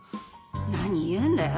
何言うんだよ。